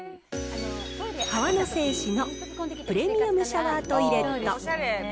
河野製紙のプレミアムシャワートイレット。